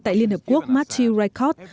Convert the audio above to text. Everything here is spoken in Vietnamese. tại liên hợp quốc matthew raycott